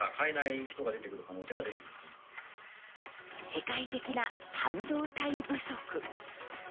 世界的な半導体不足。